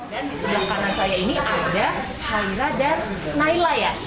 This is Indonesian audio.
dan di sebelah kanan saya ini ada khaira dan naila ya